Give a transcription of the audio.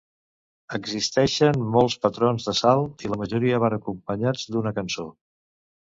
Existeixen molts patrons de salt i la majoria van acompanyats d'una cançó.